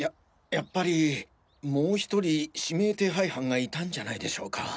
やっぱりもう１人指名手配犯がいたんじゃないでしょうか？